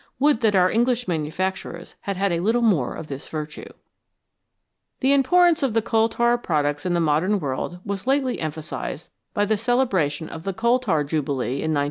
Would that our English manufacturers had had a little more of this virtue ! The importance of the coal tar products in the modern world was lately emphasised by the celebration of the Coal Tar Jubilee in 1906.